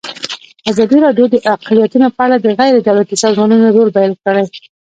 ازادي راډیو د اقلیتونه په اړه د غیر دولتي سازمانونو رول بیان کړی.